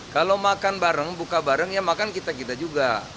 kalau makan bareng buka bareng ya makan kita kita juga